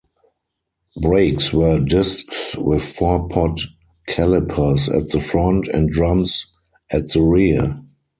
Brakes were discs with four-pot calipers at the front, and drums at the rear.